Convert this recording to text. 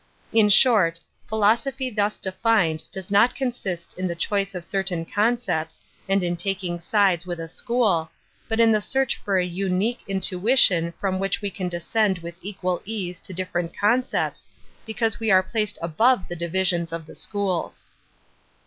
In short, philosophy thus de ^ An Introduction to fined does not consist in the choice of cer J tain concepts, and in taking sides with i Bchool, but in the search for a unique intui 1 tion from which we can descend with equal l ease to different concepts, because we arftl placed above the divisions of the school8.'